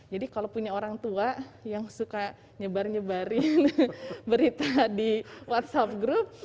jadi kalau punya orang tua yang suka nyebar nyebarin berita di whatsapp group